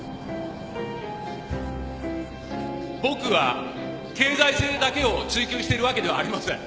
僕は経済性だけを追求しているわけではありません